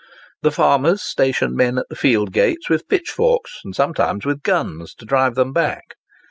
The farmers stationed men at the field gates with pitchforks, and sometimes with guns, to drive them back.